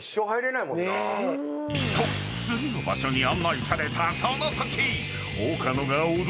［と次の場所に案内されたそのとき］